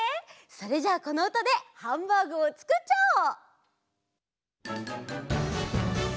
それじゃあこのうたでハンバーグをつくっちゃおう！